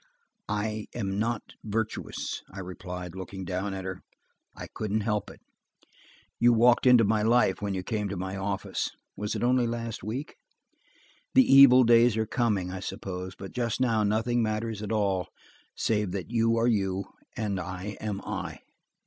"I am not virtuous," I replied, looking down at her. "I couldn't help it. You walked into my life when you came to my office–was it only last week? The evil days are coming, I suppose, but just now nothing matters at all, save that you are you, and I am I."